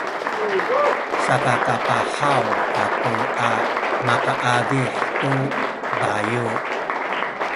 sakakapahaw kaku a makaazih tu bayu’.